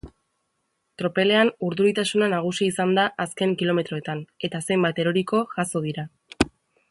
Tropelean urduritasuna nagusi izan da azken kilometroetan eta zenbait eroriko jazo dira.